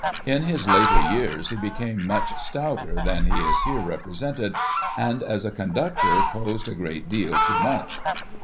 In his later years he became much stouter than he is here represented, and, as a conductor, posed a great deal too much.